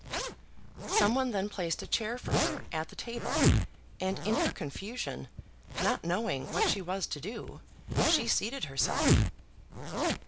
Some one then placed a chair for her at the table, and in her confusion, not knowing what she was to do, she seated herself.